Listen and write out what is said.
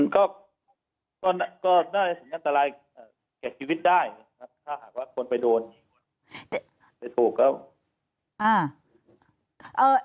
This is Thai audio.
ก็น่าจะสัญญาตรายแก่ชีวิตได้ถ้าหากว่าคนไปโดนไปถูกก็